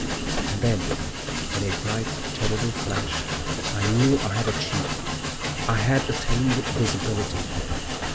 And then, in a bright, terrible flash I knew I had achieved it—I had attained visibility.